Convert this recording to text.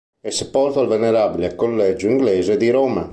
È sepolto al Venerabile Collegio Inglese di Roma.